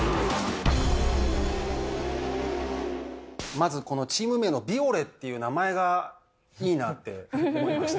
まずこのチーム名の美俺っていう名前がいいなって思いました。